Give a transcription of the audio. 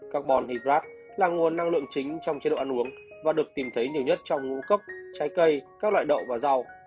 carbon hydrate là nguồn năng lượng chính trong chế độ ăn uống và được tìm thấy nhiều nhất trong ngũ cốc trái cây các loại đậu và rau